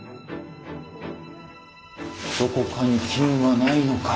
どこかに金はないのか。